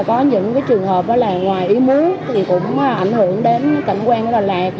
có những trường hợp ngoài ý muốn cũng ảnh hưởng đến cảnh quan của đà lạt